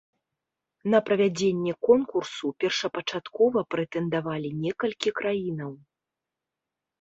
На правядзенне конкурсу першапачаткова прэтэндавалі некалькі краінаў.